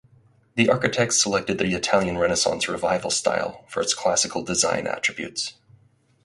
The architects selected the Italian Renaissance Revival style for its classical design attributes.